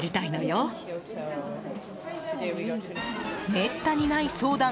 めったにない相談